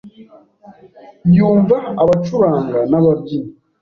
yumva abacuranga n’ababyina.